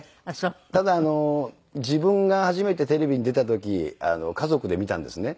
ただ自分が初めてテレビに出た時家族で見たんですね。